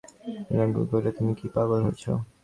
কৃষ্ণদয়াল কহিলেন, তুমি কি পাগল হয়েছ!